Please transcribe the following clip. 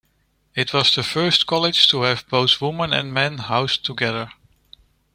It was the first college to have both women and men housed together.